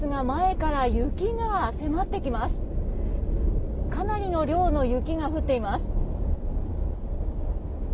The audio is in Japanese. かなりの量の雪が降っています。